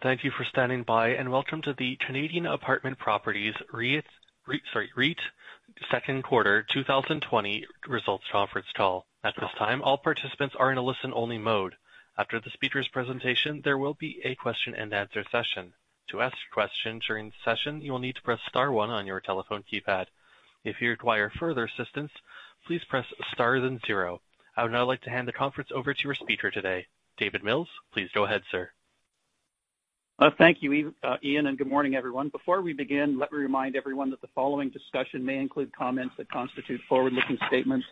Thank you for standing by and welcome to Canadian Apartment Properties REIT's second quarter 2020 results conference call. At this time all participants are in a listen only mode. After the speaker's presentation, there will be a question and answer session. To ask question during session, you'll need to press star one on your telephone keypad. If you require further assistance, please press star then zero. I would now like to hand the conference over to your speaker today, David Mills. Please go ahead, sir. Thank you, Ian, and good morning, everyone. Before we begin, let me remind everyone that the following discussion may include comments that constitute forward-looking statements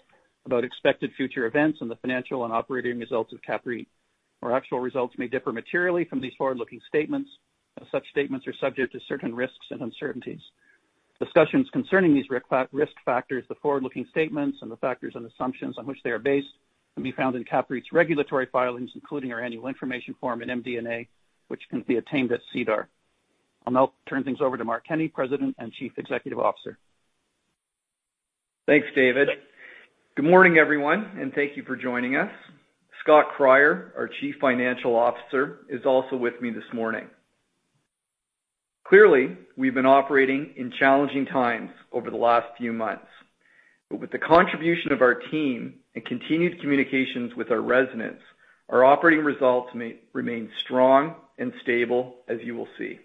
about expected future events and the financial and operating results of CAPREIT. Our actual results may differ materially from these forward-looking statements. Such statements are subject to certain risks and uncertainties. Discussions concerning these risk factors, the forward-looking statements, and the factors and assumptions on which they are based can be found in CAPREIT's regulatory filings, including our annual information form and MD&A, which can be obtained at SEDAR. I'll now turn things over to Mark Kenney, President and Chief Executive Officer. Thanks, David. Good morning, everyone. Thank you for joining us. Scott Cryer, our Chief Financial Officer, is also with me this morning. Clearly, we've been operating in challenging times over the last few months. With the contribution of our team and continued communications with our residents, our operating results remain strong and stable, as you will see.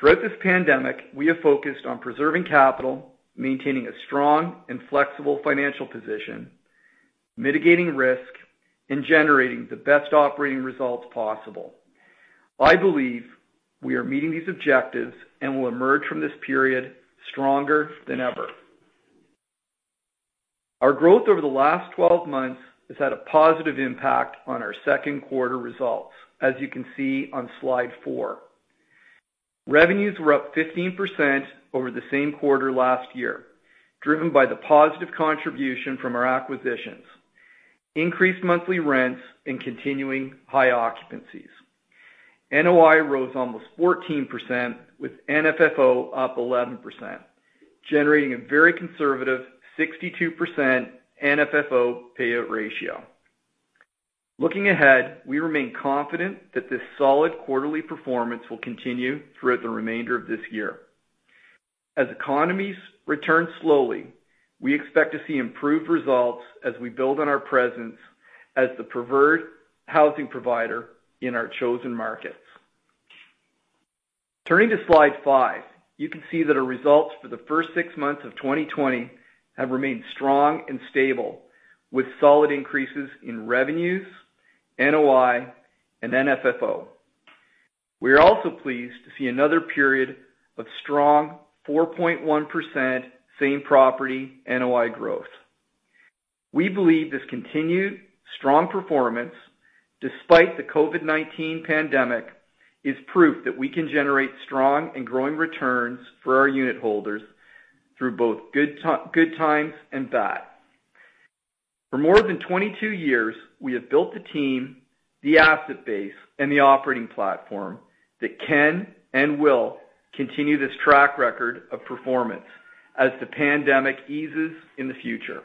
Throughout this pandemic, we have focused on preserving capital, maintaining a strong and flexible financial position, mitigating risk, and generating the best operating results possible. I believe we are meeting these objectives and will emerge from this period stronger than ever. Our growth over the last 12 months has had a positive impact on our second quarter results, as you can see on slide four. Revenues were up 15% over the same quarter last year, driven by the positive contribution from our acquisitions, increased monthly rents, and continuing high occupancies. NOI rose almost 14%, with NFFO up 11%, generating a very conservative 62% NFFO payout ratio. Looking ahead, we remain confident that this solid quarterly performance will continue throughout the remainder of this year. As economies return slowly, we expect to see improved results as we build on our presence as the preferred housing provider in our chosen markets. Turning to slide five, you can see that our results for the first six months of 2020 have remained strong and stable, with solid increases in revenues, NOI, and NFFO. We are also pleased to see another period of strong 4.1% same property NOI growth. We believe this continued strong performance, despite the COVID-19 pandemic, is proof that we can generate strong and growing returns for our unitholders through both good times and bad. For more than 22 years, we have built the team, the asset base, and the operating platform that can and will continue this track record of performance as the pandemic eases in the future.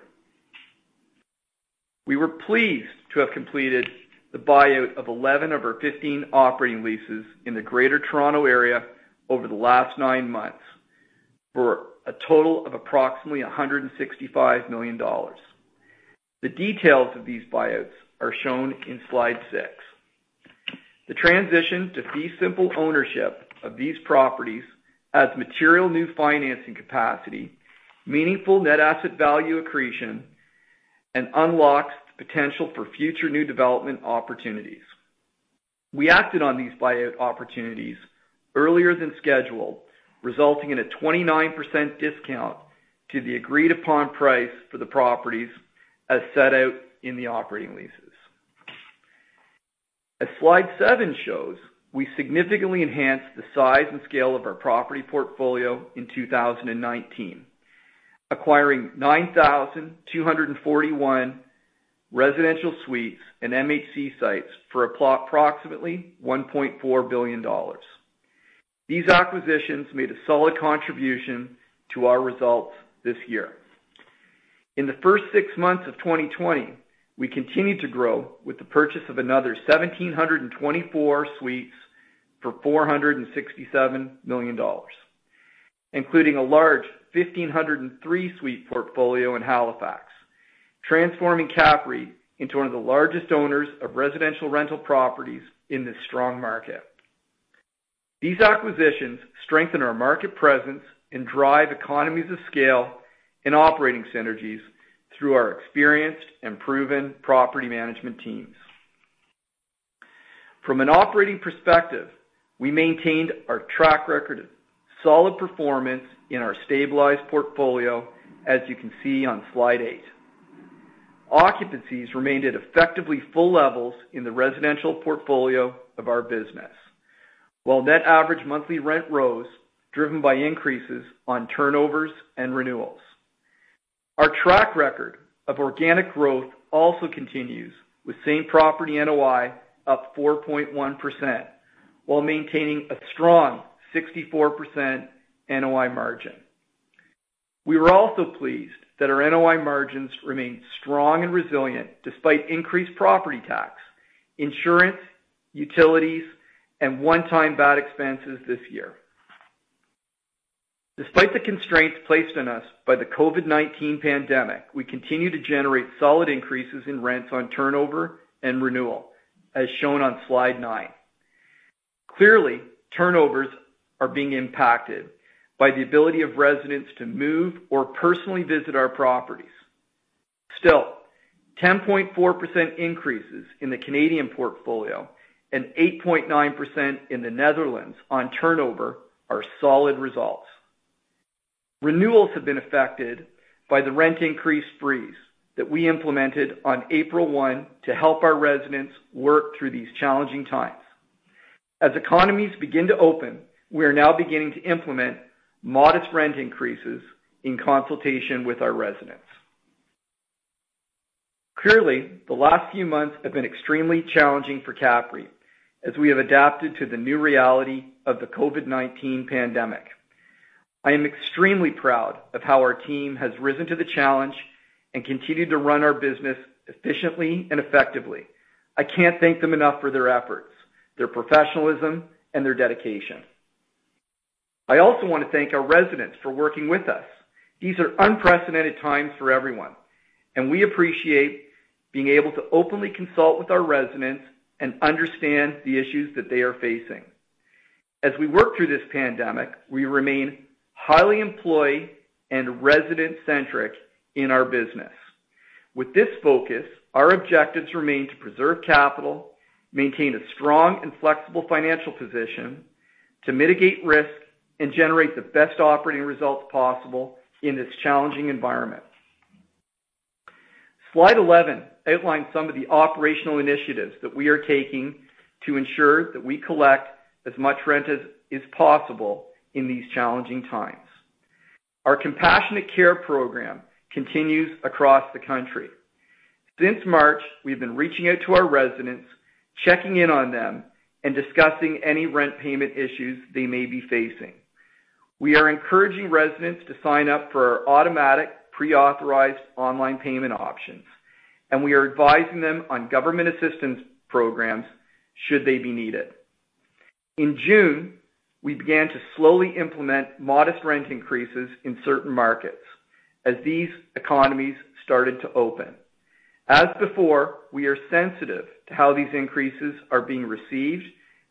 We were pleased to have completed the buyout of 11 of our 15 operating leases in the Greater Toronto Area over the last nine months for a total of approximately 165 million dollars. The details of these buyouts are shown in slide six. The transition to fee simple ownership of these properties adds material new financing capacity, meaningful net asset value accretion, and unlocks the potential for future new development opportunities. We acted on these buyout opportunities earlier than scheduled, resulting in a 29% discount to the agreed-upon price for the properties as set out in the operating leases. As slide seven shows, we significantly enhanced the size and scale of our property portfolio in 2019, acquiring 9,241 residential suites and MHC sites for approximately 1.4 billion dollars. These acquisitions made a solid contribution to our results this year. In the first six months of 2020, we continued to grow with the purchase of another 1,724 suites for 467 million dollars, including a large 1,503-suite portfolio in Halifax, transforming CAPREIT into one of the largest owners of residential rental properties in this strong market. These acquisitions strengthen our market presence and drive economies of scale and operating synergies through our experienced and proven property management teams. From an operating perspective, we maintained our track record of solid performance in our stabilized portfolio, as you can see on slide eight. Occupancies remained at effectively full levels in the residential portfolio of our business, while net average monthly rent rose, driven by increases on turnovers and renewals. Our track record of organic growth also continues, with same property NOI up 4.1% while maintaining a strong 64% NOI margin. We were also pleased that our NOI margins remained strong and resilient despite increased property tax, insurance, utilities, and one-time bad expenses this year. Despite the constraints placed on us by the COVID-19 pandemic, we continue to generate solid increases in rents on turnover and renewal, as shown on slide nine. Clearly, turnovers are being impacted by the ability of residents to move or personally visit our properties. Still, 10.4% increases in the Canadian portfolio and 8.9% in the Netherlands on turnover are solid results. Renewals have been affected by the rent increase freeze that we implemented on April one to help our residents work through these challenging times. As economies begin to open, we are now beginning to implement modest rent increases in consultation with our residents. Clearly, the last few months have been extremely challenging for CAPREIT as we have adapted to the new reality of the COVID-19 pandemic. I am extremely proud of how our team has risen to the challenge and continued to run our business efficiently and effectively. I can't thank them enough for their efforts, their professionalism, and their dedication. I also want to thank our residents for working with us. These are unprecedented times for everyone, and we appreciate being able to openly consult with our residents and understand the issues that they are facing. As we work through this pandemic, we remain highly employee and resident-centric in our business. With this focus, our objectives remain to preserve capital, maintain a strong and flexible financial position, to mitigate risk, and generate the best operating results possible in this challenging environment. Slide 11 outlines some of the operational initiatives that we are taking to ensure that we collect as much rent as possible in these challenging times. Our Compassionate Care Program continues across the country. Since March, we've been reaching out to our residents, checking in on them, and discussing any rent payment issues they may be facing. We are encouraging residents to sign up for our automatic pre-authorized online payment options, and we are advising them on government assistance programs should they be needed. In June, we began to slowly implement modest rent increases in certain markets as these economies started to open. As before, we are sensitive to how these increases are being received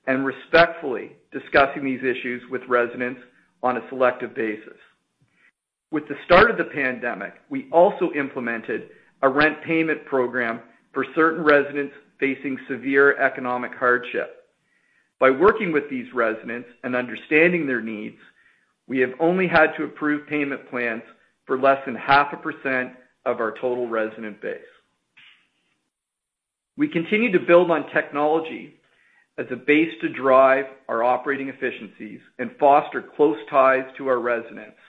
and respectfully discussing these issues with residents on a selective basis. With the start of the COVID-19, we also implemented a Compassionate Care Program for certain residents facing severe economic hardship. By working with these residents and understanding their needs, we have only had to approve payment plans for less than 0.5% of our total resident base. We continue to build on technology as a base to drive our operating efficiencies and foster close ties to our residents,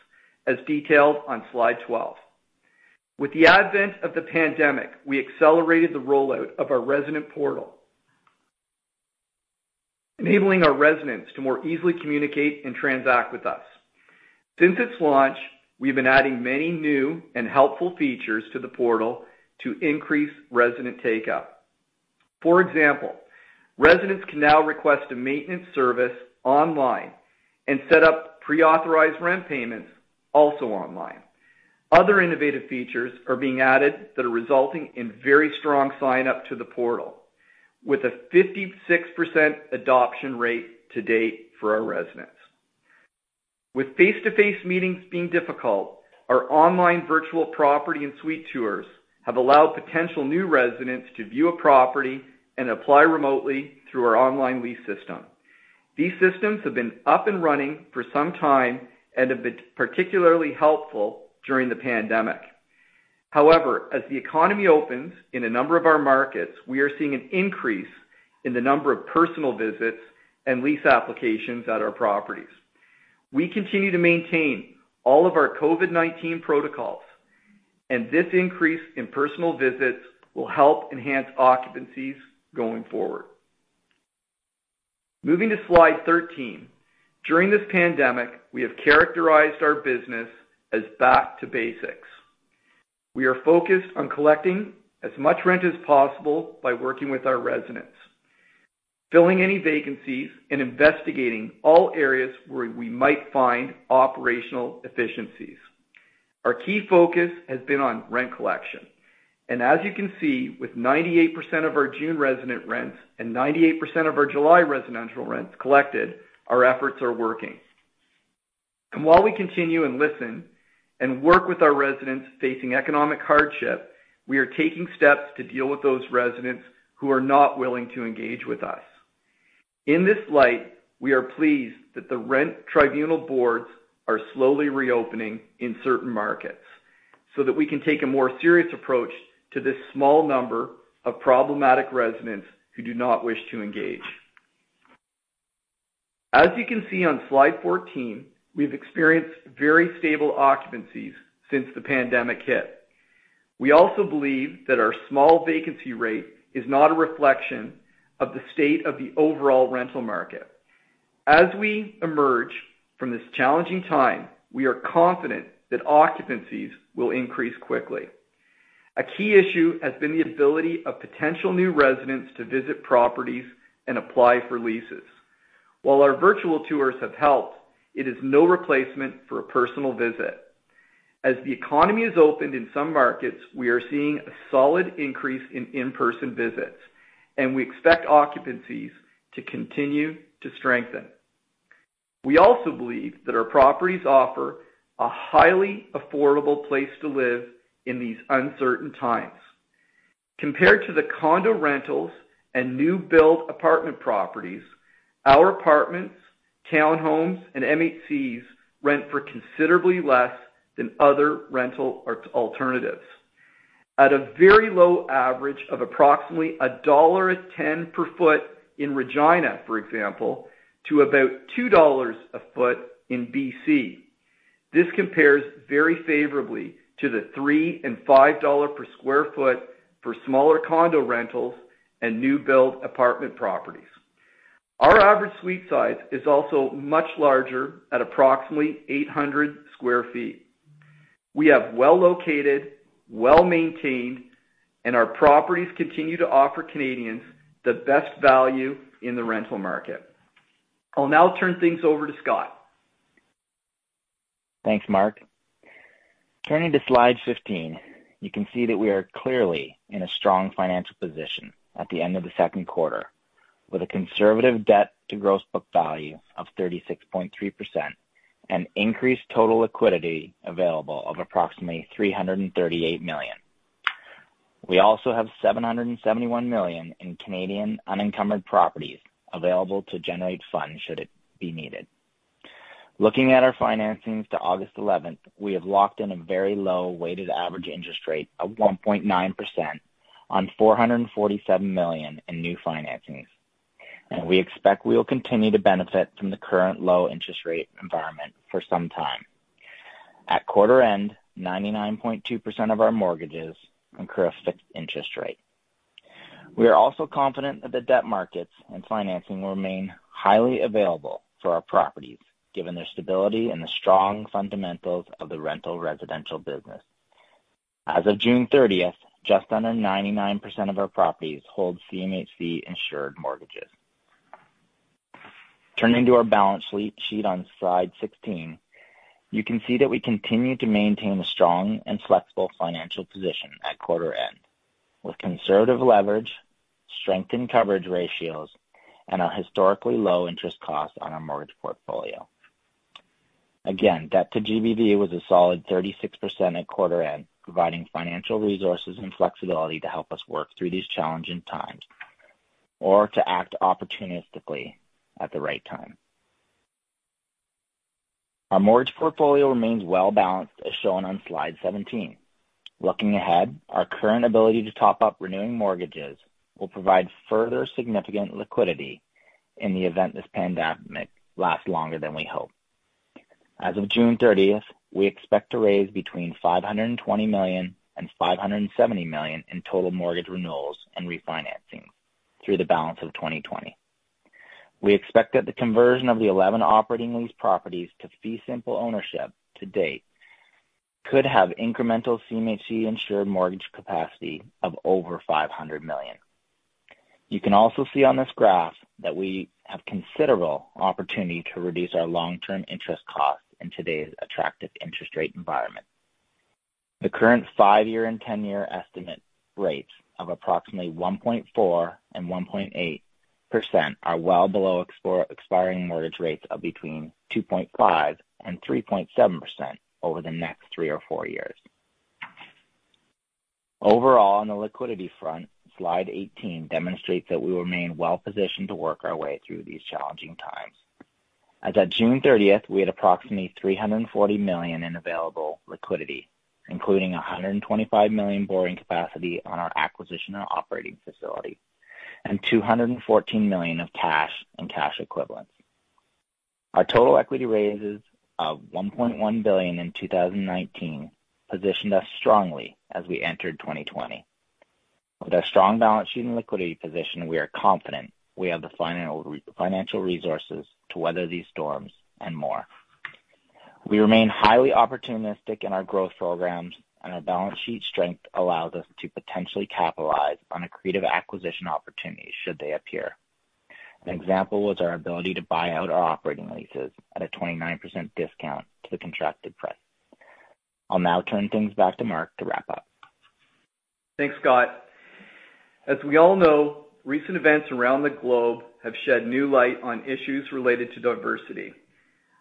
as detailed on slide 12. With the advent of the COVID-19, we accelerated the rollout of our resident portal, enabling our residents to more easily communicate and transact with us. Since its launch, we've been adding many new and helpful features to the portal to increase resident take-up. For example, residents can now request a maintenance service online and set up pre-authorized rent payments also online. Other innovative features are being added that are resulting in very strong sign-up to the portal, with a 56% adoption rate to date for our residents. With face-to-face meetings being difficult, our online virtual property and suite tours have allowed potential new residents to view a property and apply remotely through our online lease system. These systems have been up and running for some time and have been particularly helpful during the pandemic. However, as the economy opens in a number of our markets, we are seeing an increase in the number of personal visits and lease applications at our properties. We continue to maintain all of our COVID-19 protocols, and this increase in personal visits will help enhance occupancies going forward. Moving to slide 13. During this pandemic, we have characterized our business as back to basics. We are focused on collecting as much rent as possible by working with our residents, filling any vacancies, and investigating all areas where we might find operational efficiencies. Our key focus has been on rent collection. As you can see, with 98% of our June resident rents and 98% of our July residential rents collected, our efforts are working. While we continue and listen and work with our residents facing economic hardship, we are taking steps to deal with those residents who are not willing to engage with us. In this light, we are pleased that the rent tribunal boards are slowly reopening in certain markets so that we can take a more serious approach to this small number of problematic residents who do not wish to engage. As you can see on slide 14, we've experienced very stable occupancies since the pandemic hit. We also believe that our small vacancy rate is not a reflection of the state of the overall rental market. As we emerge from this challenging time, we are confident that occupancies will increase quickly. A key issue has been the ability of potential new residents to visit properties and apply for leases. While our virtual tours have helped, it is no replacement for a personal visit. As the economy has opened in some markets, we are seeing a solid increase in in-person visits, and we expect occupancies to continue to strengthen. We also believe that our properties offer a highly affordable place to live in these uncertain times. Compared to the condo rentals and new build apartment properties, our apartments, townhomes, and MHCs rent for considerably less than other rental alternatives. At a very low average of approximately 1.10 dollar per foot in Regina, for example, to about 2 dollars a foot in BC. This compares very favorably to the 3 and 5 dollars per square foot for smaller condo rentals and new build apartment properties. Our average suite size is also much larger at approximately 800 square feet. We have well-located, well-maintained, and our properties continue to offer Canadians the best value in the rental market. I'll now turn things over to Scott. Thanks, Mark. Turning to slide 15, you can see that we are clearly in a strong financial position at the end of the second quarter, with a conservative debt to gross book value of 36.3% and increased total liquidity available of approximately CAD 338 million. We also have CAD 771 million in Canadian unencumbered properties available to generate funds should it be needed. Looking at our financings to August 11th, we have locked in a very low weighted average interest rate of 1.9% on 447 million in new financings. We expect we will continue to benefit from the current low interest rate environment for some time. At quarter end, 99.2% of our mortgages incur a fixed interest rate. We are also confident that the debt markets and financing will remain highly available for our properties, given their stability and the strong fundamentals of the rental residential business. As of June 30th, just under 99% of our properties hold CMHC-insured mortgages. Turning to our balance sheet on slide 16, you can see that we continue to maintain a strong and flexible financial position at quarter end, with conservative leverage, strengthened coverage ratios, and a historically low interest cost on our mortgage portfolio. Again, debt to GBV was a solid 36% at quarter end, providing financial resources and flexibility to help us work through these challenging times or to act opportunistically at the right time. Our mortgage portfolio remains well-balanced, as shown on slide 17. Looking ahead, our current ability to top up renewing mortgages will provide further significant liquidity in the event this pandemic lasts longer than we hope. As of June 30th, we expect to raise between 520 million and 570 million in total mortgage renewals and refinancing through the balance of 2020. We expect that the conversion of the 11 operating lease properties to fee simple ownership to date could have incremental CMHC-insured mortgage capacity of over 500 million. You can also see on this graph that we have considerable opportunity to reduce our long-term interest costs in today's attractive interest rate environment. The current five-year and 10-year estimated rates of approximately 1.4 and 1.8% are well below expiring mortgage rates of between 2.5%-3.7% over the next three or four years. Overall, on the liquidity front, slide 18 demonstrates that we remain well-positioned to work our way through these challenging times. As at June 30th, we had approximately 340 million in available liquidity, including 125 million borrowing capacity on our acquisition or operating facility and 214 million of cash and cash equivalents. Our total equity raises of 1.1 billion in 2019 positioned us strongly as we entered 2020. With our strong balance sheet and liquidity position, we are confident we have the financial resources to weather these storms and more. We remain highly opportunistic in our growth programs, and our balance sheet strength allows us to potentially capitalize on accretive acquisition opportunities should they appear. An example was our ability to buy out our operating leases at a 29% discount to the contracted price. I'll now turn things back to Mark to wrap up. Thanks, Scott. As we all know, recent events around the globe have shed new light on issues related to diversity.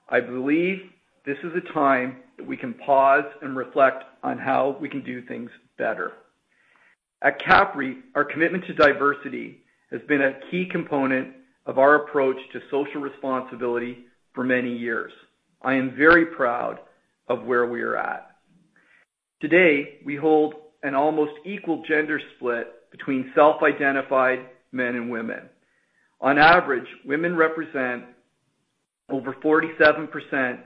I believe this is a time that we can pause and reflect on how we can do things better. At CAPREIT, our commitment to diversity has been a key component of our approach to social responsibility for many years. I am very proud of where we are at. Today, we hold an almost equal gender split between self-identified men and women. On average, women represent over 47%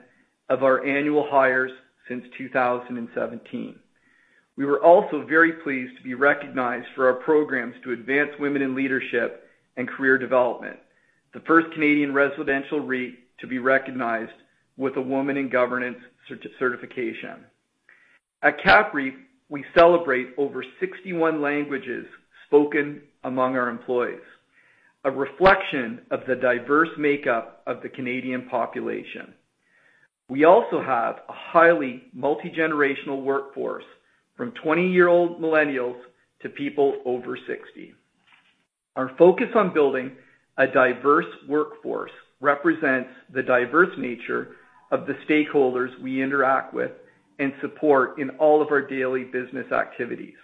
of our annual hires since 2017. We were also very pleased to be recognized for our programs to advance women in leadership and career development, the first Canadian residential REIT to be recognized with a Women in Governance Certification. At CAPREIT, we celebrate over 61 languages spoken among our employees, a reflection of the diverse makeup of the Canadian population. We also have a highly multigenerational workforce, from 20-year-old millennials to people over 60. Our focus on building a diverse workforce represents the diverse nature of the stakeholders we interact with and support in all of our daily business activities.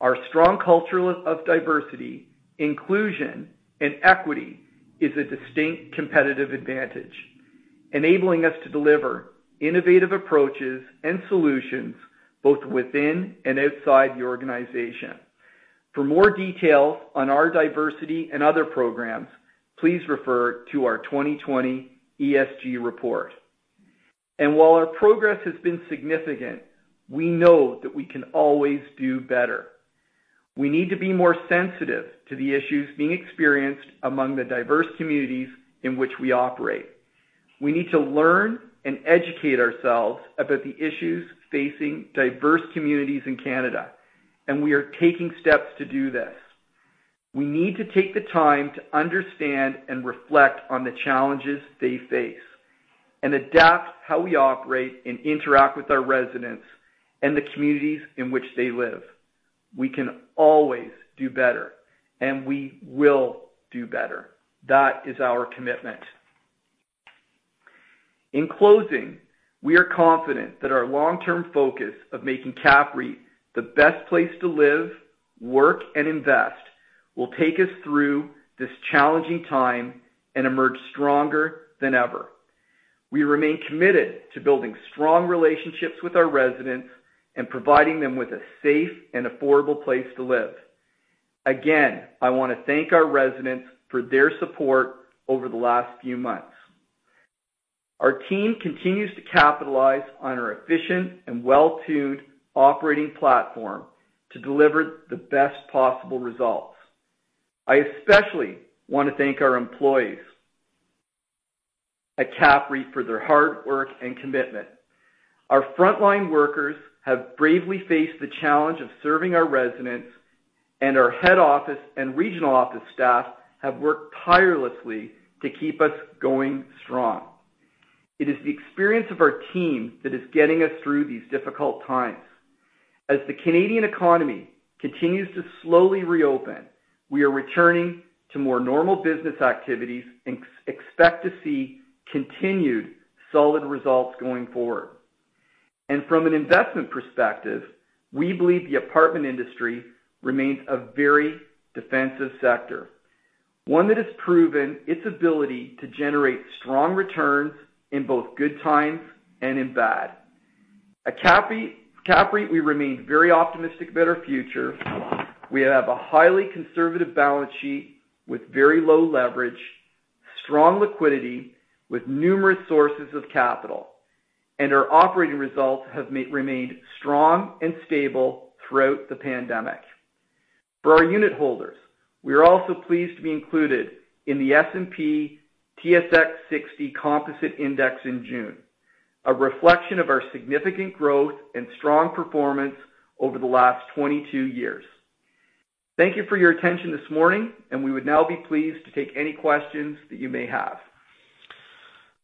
Our strong culture of diversity, inclusion, and equity is a distinct competitive advantage, enabling us to deliver innovative approaches and solutions both within and outside the organization. For more details on our diversity and other programs, please refer to our 2020 ESG report. While our progress has been significant, we know that we can always do better. We need to be more sensitive to the issues being experienced among the diverse communities in which we operate. We need to learn and educate ourselves about the issues facing diverse communities in Canada, and we are taking steps to do this. We need to take the time to understand and reflect on the challenges they face and adapt how we operate and interact with our residents and the communities in which they live. We can always do better. We will do better. That is our commitment. In closing, we are confident that our long-term focus of making CAPREIT the best place to live, work, and invest will take us through this challenging time and emerge stronger than ever. We remain committed to building strong relationships with our residents and providing them with a safe and affordable place to live. Again, I want to thank our residents for their support over the last few months. Our team continues to capitalize on our efficient and well-tuned operating platform to deliver the best possible results. I especially want to thank our employees at CAPREIT for their hard work and commitment. Our frontline workers have bravely faced the challenge of serving our residents, and our head office and regional office staff have worked tirelessly to keep us going strong. It is the experience of our team that is getting us through these difficult times. As the Canadian economy continues to slowly reopen, we are returning to more normal business activities and expect to see continued solid results going forward. From an investment perspective, we believe the apartment industry remains a very defensive sector, one that has proven its ability to generate strong returns in both good times and in bad. At CAPREIT, we remain very optimistic about our future. We have a highly conservative balance sheet with very low leverage, strong liquidity with numerous sources of capital, and our operating results have remained strong and stable throughout the pandemic. For our unitholders, we are also pleased to be included in the S&P/TSX 60 Composite Index in June, a reflection of our significant growth and strong performance over the last 22 years. Thank you for your attention this morning, and we would now be pleased to take any questions that you may have.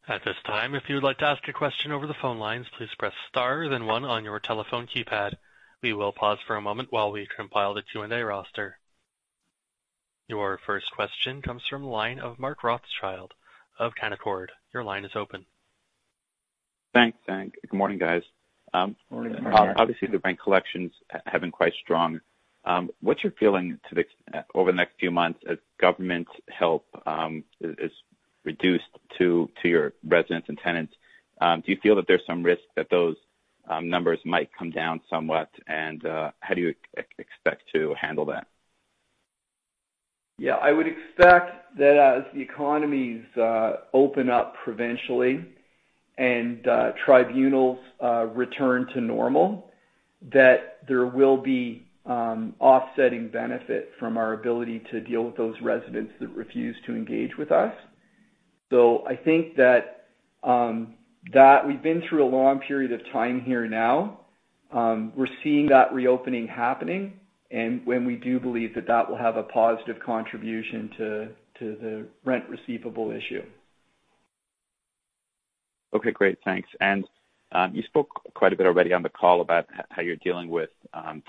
At this time, if you would like to ask a question over the phone lines, please press star then one on your telephone keypad. We will pause for a moment while we compile the Q&A roster. Your first question comes from the line of Mark Rothschild of Canaccord. Your line is open. Thanks. Good morning, guys. Morning. The rent collections have been quite strong. What's your feeling over the next few months as government help is reduced to your residents and tenants? Do you feel that there's some risk that those numbers might come down somewhat, and how do you expect to handle that? Yeah. I would expect that as the economies open up provincially and tribunals return to normal, that there will be offsetting benefit from our ability to deal with those residents that refuse to engage with us. I think that we've been through a long period of time here now. We're seeing that reopening happening, and when we do believe that that will have a positive contribution to the rent receivable issue. Okay, great. Thanks. You spoke quite a bit already on the call about how you're dealing with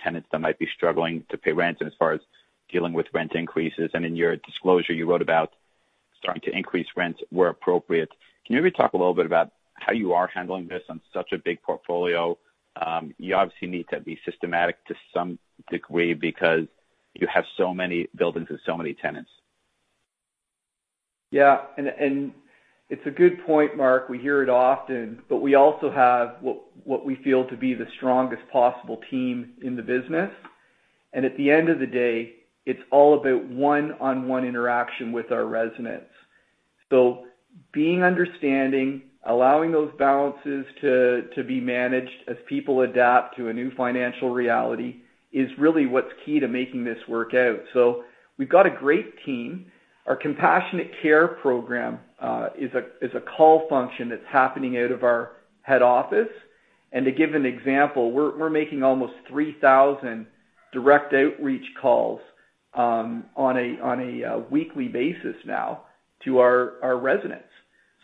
tenants that might be struggling to pay rent and as far as dealing with rent increases. In your disclosure, you wrote about starting to increase rents where appropriate. Can you maybe talk a little bit about how you are handling this on such a big portfolio? You obviously need to be systematic to some degree because you have so many buildings and so many tenants. It's a good point, Mark. We hear it often, we also have what we feel to be the strongest possible team in the business. At the end of the day, it's all about one-on-one interaction with our residents. Being understanding, allowing those balances to be managed as people adapt to a new financial reality is really what's key to making this work out. We've got a great team. Our Compassionate Care Program is a call function that's happening out of our head office. To give an example, we're making almost 3,000 direct outreach calls on a weekly basis now to our residents.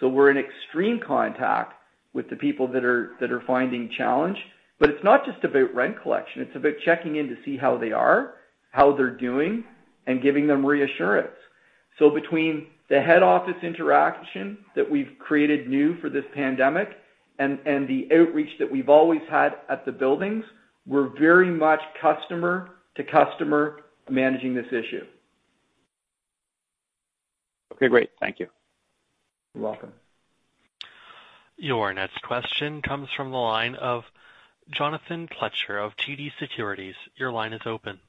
We're in extreme contact with the people that are finding challenge. It's not just about rent collection. It's about checking in to see how they are, how they're doing, and giving them reassurance. Between the head office interaction that we've created new for this pandemic and the outreach that we've always had at the buildings, we're very much customer-to-customer managing this issue. Okay, great. Thank you. You're welcome. Your next question comes from the line of Jonathan Kelcher of TD Securities. Your line is open.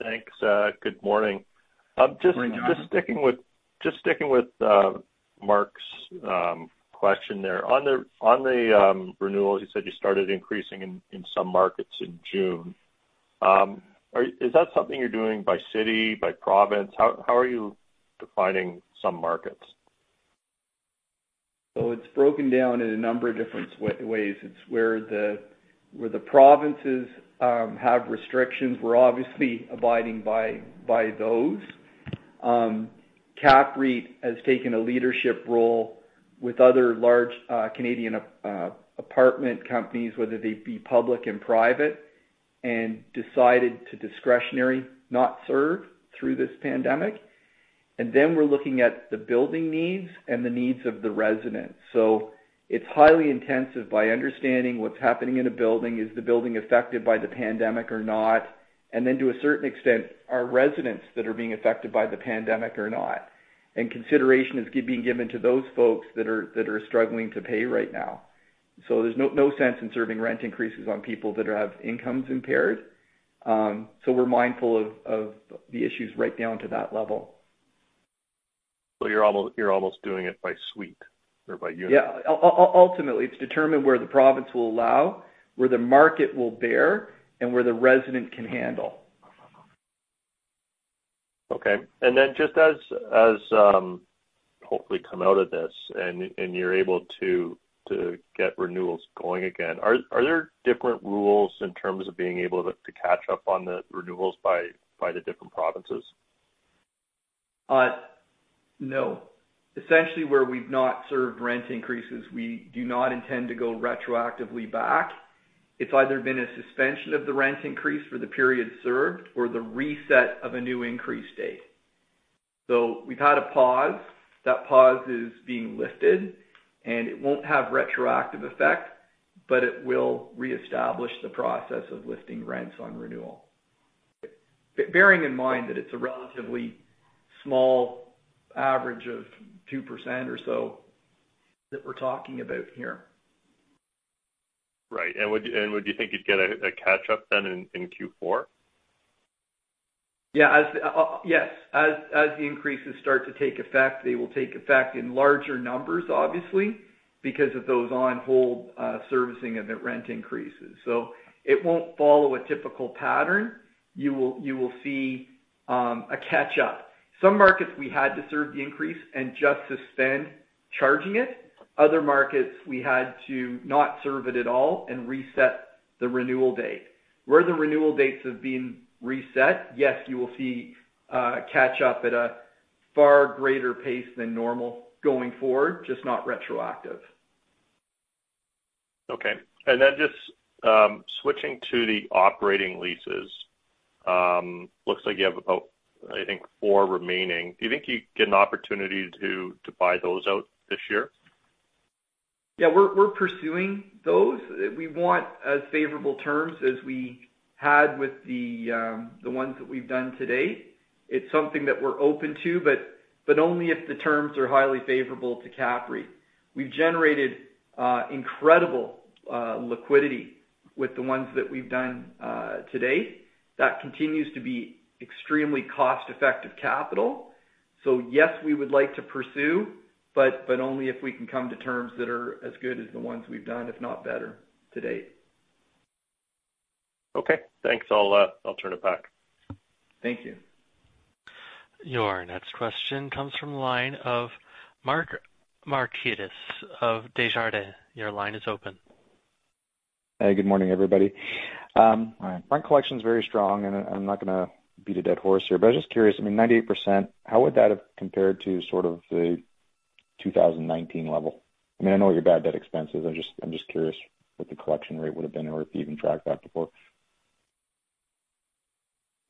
Thanks. Good morning. Good morning, Jonathan. Sticking with Mark's question there. On the renewals, you said you started increasing in some markets in June. Is that something you're doing by city, by province? How are you defining some markets? It's broken down in a number of different ways. It's where the provinces have restrictions, we're obviously abiding by those. CAPREIT has taken a leadership role with other large Canadian apartment companies, whether they be public and private, and decided to discretionary not serve through this pandemic. We're looking at the building needs and the needs of the residents. It's highly intensive by understanding what's happening in a building, is the building affected by the pandemic or not. To a certain extent, are residents that are being affected by the pandemic or not. Consideration is being given to those folks that are struggling to pay right now. There's no sense in serving rent increases on people that have incomes impaired. We're mindful of the issues right down to that level. You're almost doing it by suite or by unit. Yeah. Ultimately, it's determined where the province will allow, where the market will bear, and where the resident can handle. Okay. Then just as, hopefully come out of this and you're able to get renewals going again, are there different rules in terms of being able to catch up on the renewals by the different provinces? No. Essentially, where we've not served rent increases, we do not intend to go retroactively back. It's either been a suspension of the rent increase for the period served or the reset of a new increase date. We've had a pause. That pause is being lifted, and it won't have retroactive effect, but it will reestablish the process of lifting rents on renewal. Bearing in mind that it's a relatively small average of 2% or so that we're talking about here. Right. Would you think you'd get a catch-up then in Q4? Yes. As the increases start to take effect, they will take effect in larger numbers, obviously, because of those on-hold servicing of the rent increases. It won't follow a typical pattern. You will see a catch-up. Some markets, we had to serve the increase and just suspend charging it. Other markets, we had to not serve it at all and reset the renewal date. Where the renewal dates have been reset, yes, you will see a catch-up at a far greater pace than normal going forward, just not retroactive. Okay. Just switching to the operating leases, looks like you have about, I think, four remaining. Do you think you get an opportunity to buy those out this year? Yeah, we're pursuing those. We want as favorable terms as we had with the ones that we've done to date. It's something that we're open to, but only if the terms are highly favorable to CAPREIT. We've generated incredible liquidity with the ones that we've done to date. That continues to be extremely cost-effective capital. Yes, we would like to pursue, but only if we can come to terms that are as good as the ones we've done, if not better to date. Okay. Thanks. I'll turn it back. Thank you. Your next question comes from the line of Mike Markidis of Desjardins. Your line is open. Hey, good morning, everybody. Hi. Rent collection's very strong, and I'm not going to beat a dead horse here, but I'm just curious, I mean, 98%, how would that have compared to sort of the 2019 level? I mean, I know what your bad debt expense is, I'm just curious what the collection rate would've been or if you even tracked that before.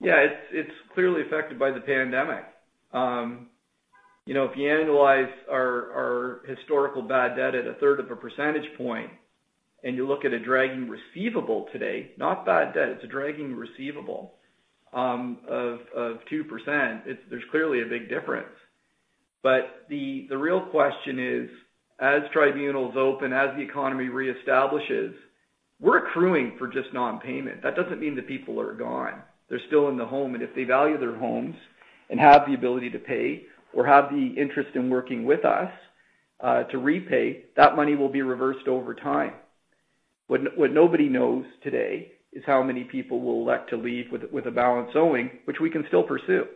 Yeah, it’s clearly affected by the pandemic. If you annualize our historical bad debt at a third of a percentage point, and you look at a dragging receivable today, not bad debt, it’s a dragging receivable, of 2%, there’s clearly a big difference. The real question is, as tribunals open, as the economy reestablishes, we’re accruing for just non-payment. That doesn’t mean the people are gone. They’re still in the home. If they value their homes and have the ability to pay or have the interest in working with us to repay, that money will be reversed over time. What nobody knows today is how many people will elect to leave with a balance owing, which we can still pursue.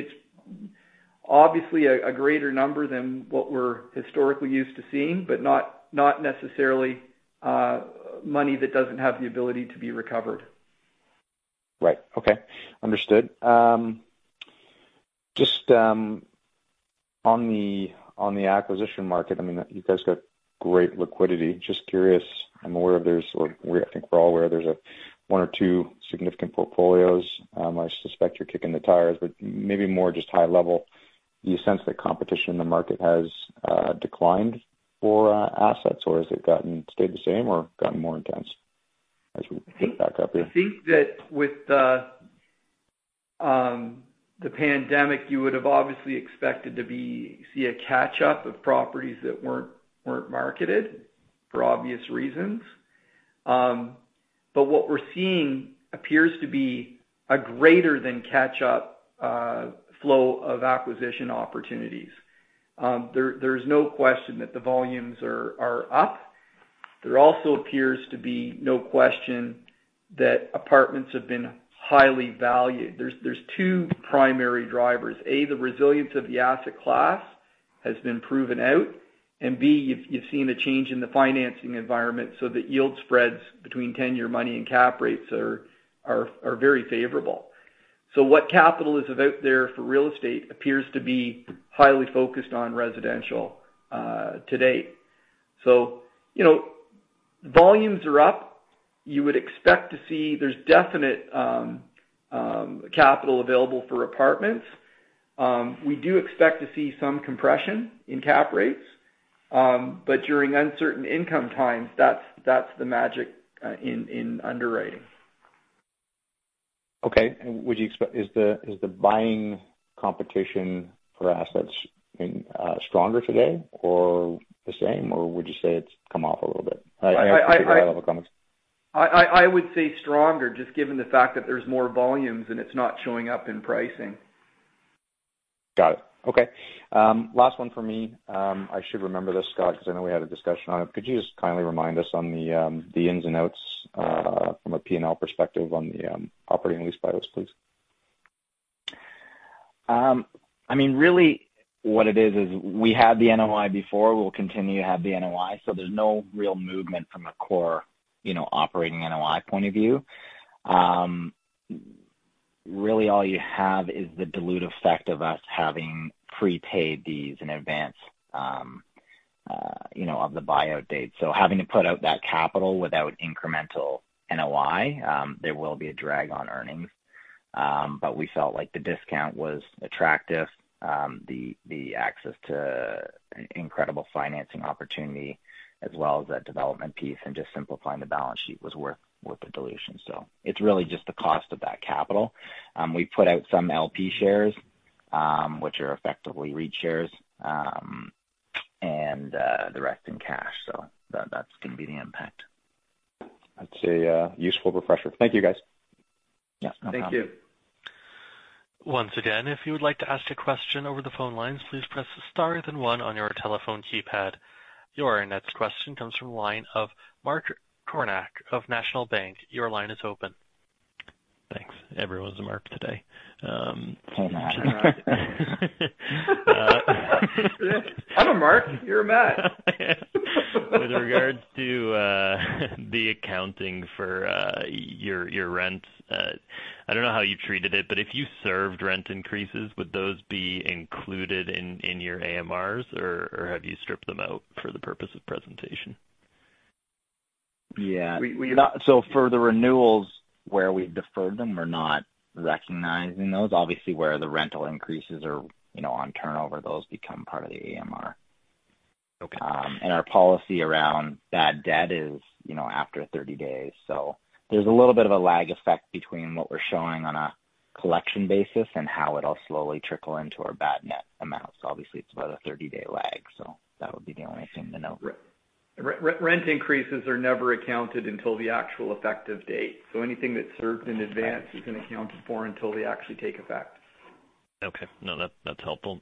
It’s obviously a greater number than what we’re historically used to seeing, but not necessarily money that doesn’t have the ability to be recovered. Right. Okay. Understood. Just on the acquisition market, you guys got great liquidity. Just curious, I think we're all aware there's one or two significant portfolios. I suspect you're kicking the tires, but maybe more just high level. Do you sense the competition in the market has declined for assets, or has it stayed the same or gotten more intense as we pick back up here? I think that with the pandemic, you would have obviously expected to see a catch-up of properties that weren't marketed, for obvious reasons. What we're seeing appears to be a greater than catch-up flow of acquisition opportunities. There is no question that the volumes are up. There also appears to be no question that apartments have been highly valued. There's two primary drivers. A, the resilience of the asset class has been proven out, and B, you've seen a change in the financing environment, so the yield spreads between 10-year money and cap rates are very favorable. What capital is out there for real estate appears to be highly focused on residential to date. Volumes are up. You would expect to see there's definite capital available for apartments. We do expect to see some compression in cap rates, but during uncertain income times, that's the magic in underwriting. Okay. Is the buying competition for assets stronger today or the same, or would you say it's come off a little bit? High-level comments. I would say stronger, just given the fact that there's more volumes and it's not showing up in pricing. Got it. Okay. Last one from me. I should remember this, Scott, because I know we had a discussion on it. Could you just kindly remind us on the ins and outs from a P&L perspective on the operating lease buyouts, please? Really what it is we had the NOI before, we'll continue to have the NOI. There's no real movement from a core operating NOI point of view. Really all you have is the dilutive effect of us having prepaid these in advance of the buyout date. Having to put out that capital without incremental NOI, there will be a drag on earnings. We felt like the discount was attractive. The access to an incredible financing opportunity as well as that development piece and just simplifying the balance sheet was worth the dilution. It's really just the cost of that capital. We put out some LP units, which are effectively REIT shares, and the rest in cash. That's going to be the impact. That's a useful refresher. Thank you guys. Yeah. No problem. Thank you. Once again, if you would like to ask a question over the phone lines, please press star then one on your telephone keypad. Your next question comes from the line of Matt Kornack of National Bank. Your line is open. Thanks. Everyone's a Mark today. Hey, Matt. I'm a Mark. You're a Matt. With regards to the accounting for your rents, I don't know how you treated it, but if you served rent increases, would those be included in your AMRs, or have you stripped them out for the purpose of presentation? For the renewals where we've deferred them, we're not recognizing those. Obviously, where the rental increases are on turnover, those become part of the AMR. Okay. Our policy around bad debt is after 30 days. There's a little bit of a lag effect between what we're showing on a collection basis and how it'll slowly trickle into our bad debt amount. Obviously it's about a 30-day lag. That would be the only thing to know. Rent increases are never accounted until the actual effective date. Anything that's served in advance isn't accounted for until they actually take effect. Okay. No, that is helpful.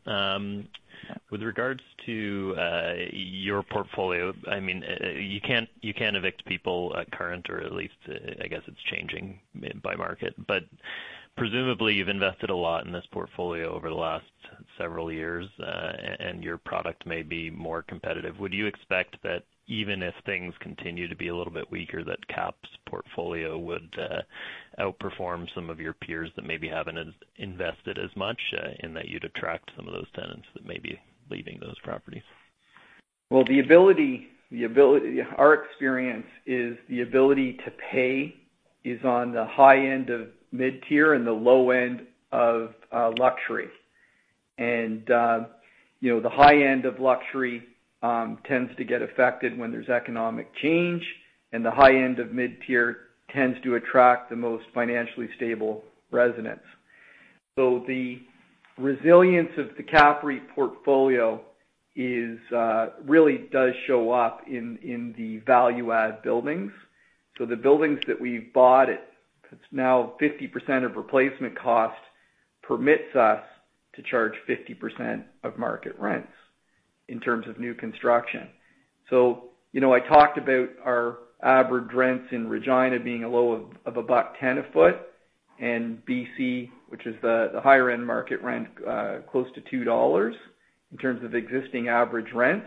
With regards to your portfolio, you cannot evict people at current, or at least, I guess it is changing by market. Presumably, you have invested a lot in this portfolio over the last several years, and your product may be more competitive. Would you expect that even if things continue to be a little bit weaker, that CAP's portfolio would outperform some of your peers that maybe have not invested as much, in that you would attract some of those tenants that may be leaving those properties? Well, our experience is the ability to pay is on the high end of mid-tier and the low end of luxury. The high end of luxury tends to get affected when there's economic change, and the high end of mid-tier tends to attract the most financially stable residents. The resilience of the CAPREIT portfolio really does show up in the value-add buildings. The buildings that we've bought, it's now 50% of replacement cost permits us to charge 50% of market rents in terms of new construction. I talked about our average rents in Regina being a low of 1.10 a foot, and BC, which is the higher-end market rent, close to 2 dollars in terms of existing average rents.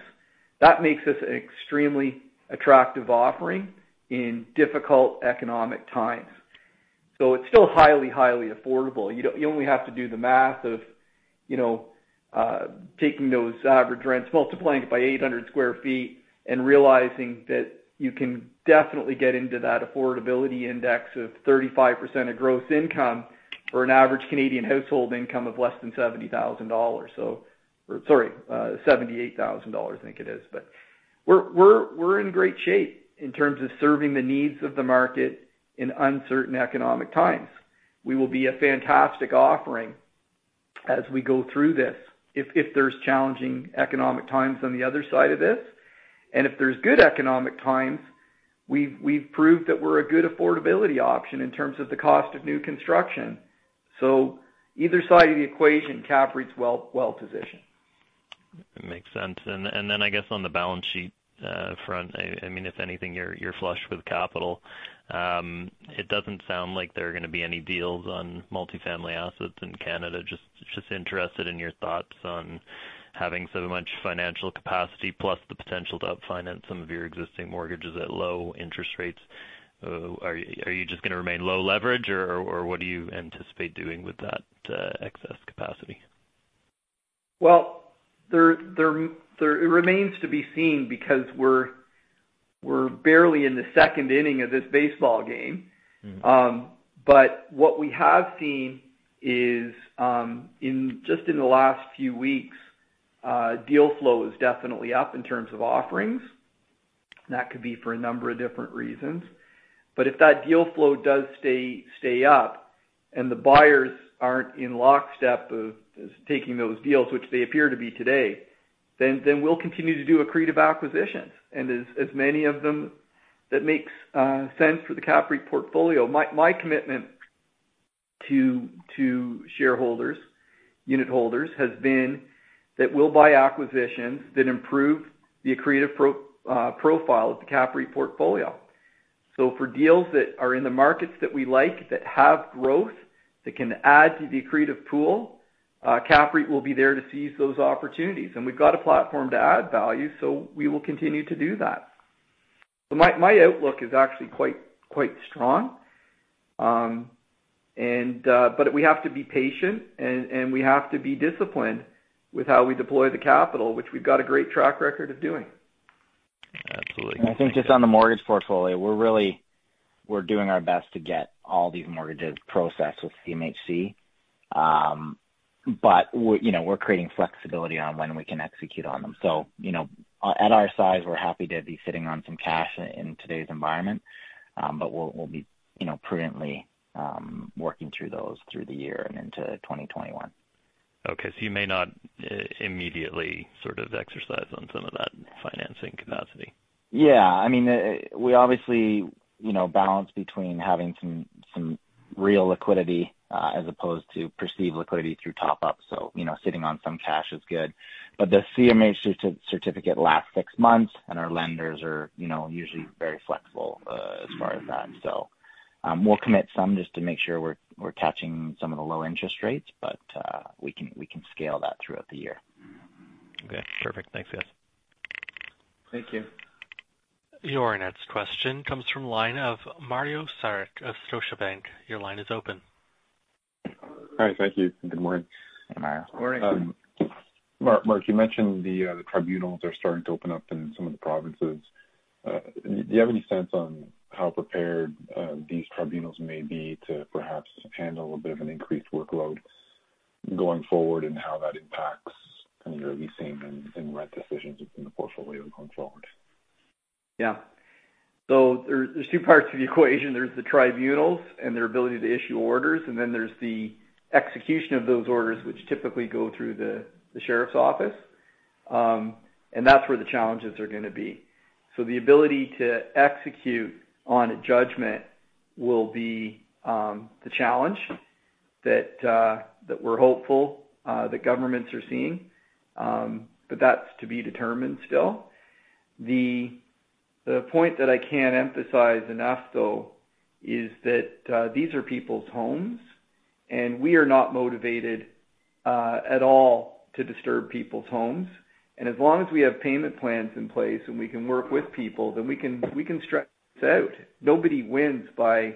That makes us extremely attractive offering in difficult economic times. It's still highly affordable. You only have to do the math of taking those average rents, multiplying it by 800 sq ft, realizing that you can definitely get into that affordability index of 35% of gross income for an average Canadian household income of less than 70,000 dollars. Sorry, 78,000 dollars I think it is. We're in great shape in terms of serving the needs of the market in uncertain economic times. We will be a fantastic offering as we go through this, if there's challenging economic times on the other side of this. If there's good economic times, we've proved that we're a good affordability option in terms of the cost of new construction. Either side of the equation, CAPREIT's well-positioned. Makes sense. I guess on the balance sheet front, if anything, you're flush with capital. It doesn't sound like there are going to be any deals on multifamily assets in Canada. Just interested in your thoughts on having so much financial capacity plus the potential to help finance some of your existing mortgages at low interest rates. Are you just going to remain low leverage, or what do you anticipate doing with that excess capacity? Well, it remains to be seen because we're barely in the second inning of this baseball game. What we have seen is, just in the last few weeks, deal flow is definitely up in terms of offerings. That could be for a number of different reasons. If that deal flow does stay up and the buyers aren't in lockstep of taking those deals, which they appear to be today, then we'll continue to do accretive acquisitions and as many of them that makes sense for the CAPREIT portfolio. My commitment to shareholders, unitholders, has been that we'll buy acquisitions that improve the accretive profile of the CAPREIT portfolio. For deals that are in the markets that we like, that have growth, that can add to the accretive pool, CAPREIT will be there to seize those opportunities. We've got a platform to add value, so we will continue to do that. My outlook is actually quite strong. We have to be patient and we have to be disciplined with how we deploy the capital, which we've got a great track record of doing. Absolutely. I think just on the mortgage portfolio, we're doing our best to get all these mortgages processed with CMHC. We're creating flexibility on when we can execute on them. At our size, we're happy to be sitting on some cash in today's environment. We'll be prudently working through those through the year and into 2021. Okay. You may not immediately exercise on some of that financing capacity. Yeah. We obviously balance between having some real liquidity, as opposed to perceived liquidity through top-ups. Sitting on some cash is good. The CMHC certificate lasts six months, and our lenders are usually very flexible as far as that. We'll commit some just to make sure we're catching some of the low interest rates, but we can scale that throughout the year. Okay. Perfect. Thanks, guys. Thank you. Your next question comes from line of Mario Saric of Scotiabank. Your line is open. Hi. Thank you. Good morning. Hi Mario. Morning. Mark, you mentioned the tribunals are starting to open up in some of the provinces. Do you have any sense on how prepared these tribunals may be to perhaps handle a bit of an increased workload going forward, and how that impacts your leasing and rent decisions within the portfolio going forward? Yeah. There's two parts to the equation. There's the tribunals and their ability to issue orders, and then there's the execution of those orders, which typically go through the sheriff's office. That's where the challenges are going to be. The ability to execute on a judgment will be the challenge that we're hopeful the governments are seeing. That's to be determined still. The point that I can't emphasize enough, though, is that these are people's homes, and we are not motivated at all to disturb people's homes. As long as we have payment plans in place and we can work with people, then we can stretch this out. Nobody wins by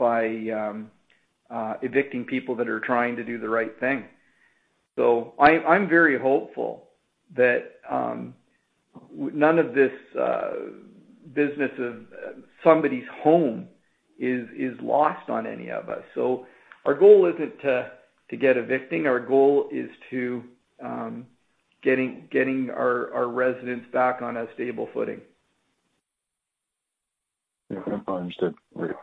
evicting people that are trying to do the right thing. I'm very hopeful. None of this business of somebody's home is lost on any of us. Our goal isn't to get evicting. Our goal is to getting our residents back on a stable footing. Understood. Very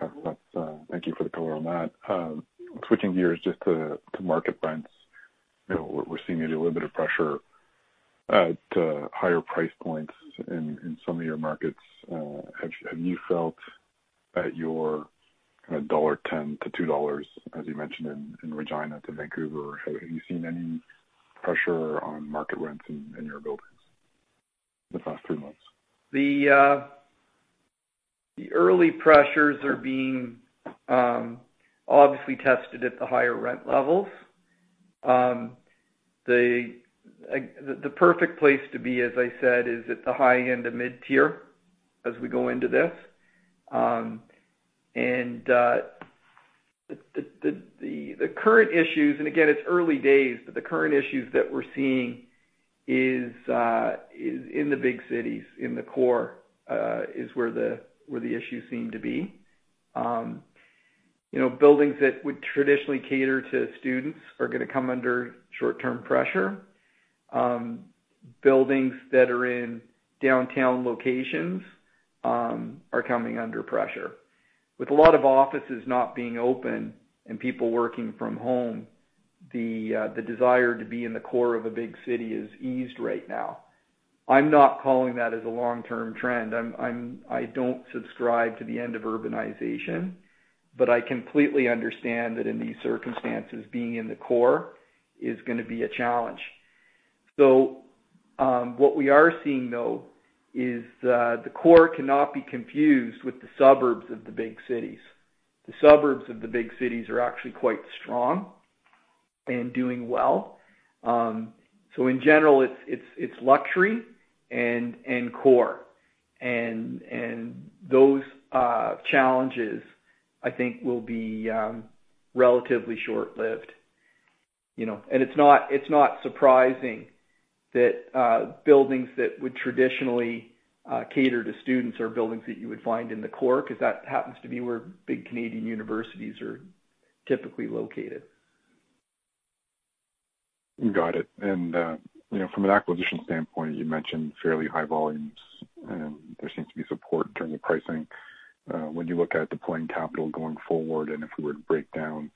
thank you for the color on that. Switching gears just to market rents. We're seeing a little bit of pressure at higher price points in some of your markets. Have you felt at your 1.10-2 dollars, as you mentioned in Regina to Vancouver, have you seen any pressure on market rents in your buildings the past three months? The early pressures are being obviously tested at the higher rent levels. The perfect place to be, as I said, is at the high end of mid-tier as we go into this. The current issues, and again, it's early days, but the current issues that we're seeing is in the big cities, in the core, is where the issues seem to be. Buildings that would traditionally cater to students are going to come under short-term pressure. Buildings that are in downtown locations are coming under pressure. With a lot of offices not being open and people working from home, the desire to be in the core of a big city is eased right now. I'm not calling that as a long-term trend. I don't subscribe to the end of urbanization, but I completely understand that in these circumstances, being in the core is going to be a challenge. What we are seeing, though, is the core cannot be confused with the suburbs of the big cities. The suburbs of the big cities are actually quite strong and doing well. In general, it's luxury and core and those challenges, I think, will be relatively short-lived. It's not surprising that buildings that would traditionally cater to students are buildings that you would find in the core, because that happens to be where big Canadian universities are typically located. Got it. From an acquisition standpoint, you mentioned fairly high volumes, and there seems to be support during the pricing. When you look at deploying capital going forward, and if we were to break down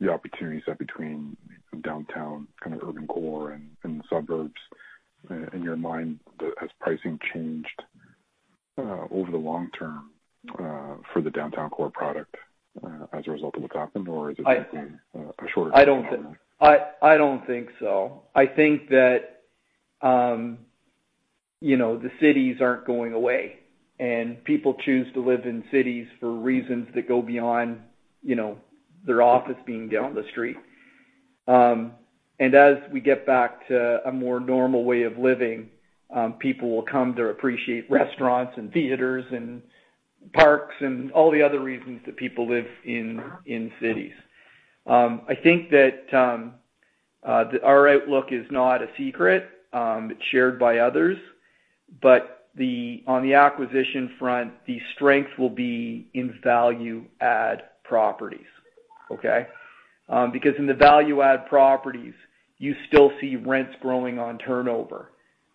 the opportunities between downtown, kind of urban core and suburbs, in your mind, has pricing changed over the long term, for the downtown core product as a result of what's happened or is it basically a shorter-term anomaly? I don't think so. I think that the cities aren't going away, and people choose to live in cities for reasons that go beyond their office being down the street. As we get back to a more normal way of living, people will come to appreciate restaurants and theaters and parks and all the other reasons that people live in cities. I think that our outlook is not a secret. It's shared by others. On the acquisition front, the strength will be in value-add properties. Okay. In the value-add properties, you still see rents growing on turnover,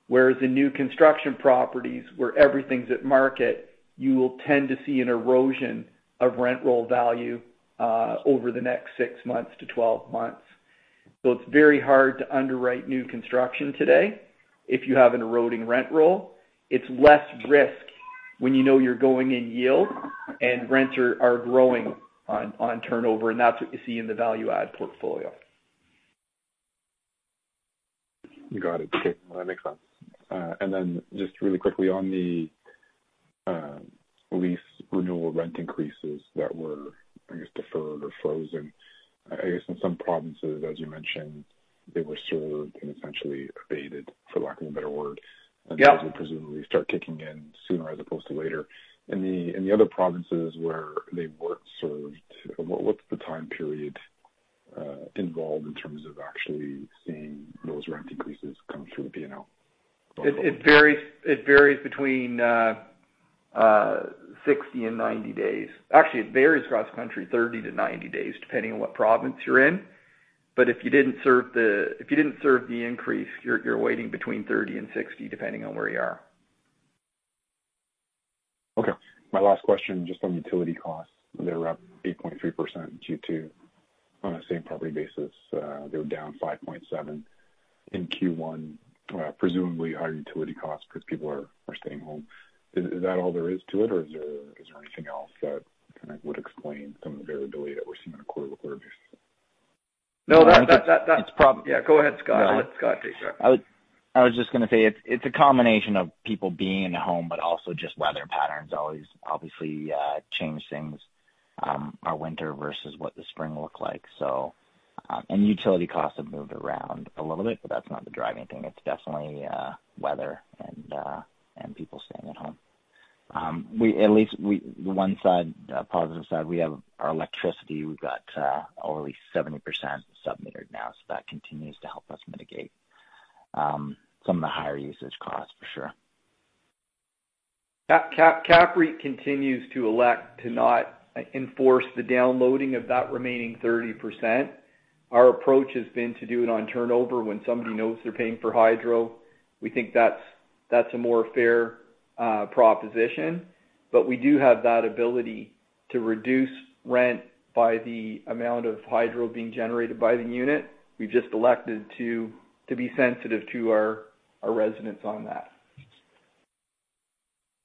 whereas in new construction properties where everything's at market, you will tend to see an erosion of rent roll value, over the next six months to 12 months. It's very hard to underwrite new construction today if you have an eroding rent roll. It's less risk when you know your going-in yield and rents are growing on turnover and that's what you see in the value-add portfolio. Got it. Okay. No, that makes sense. Just really quickly on the lease renewal rent increases that were, I guess, deferred or frozen. I guess in some provinces, as you mentioned, they were served and essentially abated, for lack of a better word. Yeah. Those will presumably start kicking in sooner as opposed to later. In the other provinces where they weren't served, what's the time period involved in terms of actually seeing those rent increases come through the P&L? It varies between 60 and 90 days. Actually, it varies across the country, 30-90 days, depending on what province you're in. If you didn't serve the increase, you're waiting between 30 and 60, depending on where you are. Okay. My last question, just on utility costs. They were up 8.3% in Q2. On a same property basis, they were down 5.7% in Q1. Presumably higher utility costs because people are staying home. Is that all there is to it or is there anything else that kind of would explain some of the variability that we're seeing on a quarter-over-quarter basis? No. It's prob- Yeah, go ahead, Scott. I'll let Scott take that. I was just going to say, it's a combination of people being in the home, but also just weather patterns always obviously change things. Our winter versus what the spring looked like. Utility costs have moved around a little bit, but that's not the driving thing. It's definitely weather and people staying at home. At least one side, the positive side, we have our electricity. We've got over 70% sub-metered now, so that continues to help us mitigate some of the higher usage costs, for sure. CAPREIT continues to elect to not enforce the downloading of that remaining 30%. Our approach has been to do it on turnover when somebody knows they're paying for hydro. We think that's a more fair proposition. We do have that ability to reduce rent by the amount of hydro being generated by the unit. We've just elected to be sensitive to our residents on that.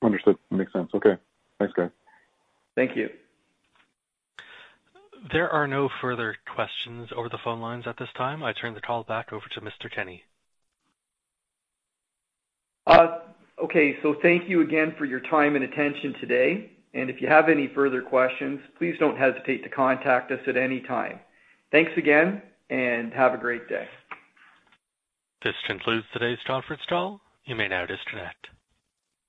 Understood. Makes sense. Okay. Thanks, guys. Thank you. There are no further questions over the phone lines at this time. I turn the call back over to Mr. Kenney. Thank you again for your time and attention today. If you have any further questions, please don't hesitate to contact us at any time. Thanks again. Have a great day. This concludes today's conference call. You may now disconnect.